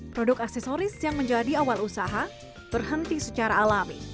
produk aksesoris yang menjadi awal usaha berhenti secara alami